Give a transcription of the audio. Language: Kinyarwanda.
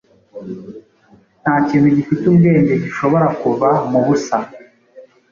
nta kintu gifite ubwenge gishobora kuva mu busa